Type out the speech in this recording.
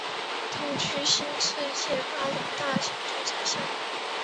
同区新世界发展大型住宅项目